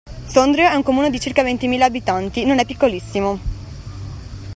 Sondrio è un comune di circa ventimila abitanti, non è piccolissimo.